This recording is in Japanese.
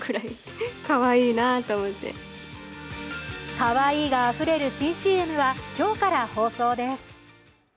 かわいいがあふれる新ＣＭは今日から放送です。